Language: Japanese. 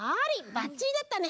ばっちりだったね！